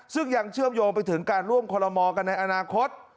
ซึ่งยังเชื่อมโยงไปถึงการร่วมคอลโลมอลกันในอนาคต